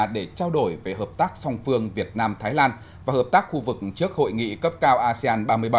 để trao đổi về hợp tác song phương việt nam thái lan và hợp tác khu vực trước hội nghị cấp cao asean ba mươi bảy